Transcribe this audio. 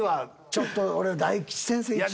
ちょっと俺大吉先生